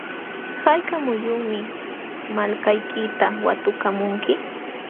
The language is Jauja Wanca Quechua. ¿hayka muyunmi malkaykita watukamunki?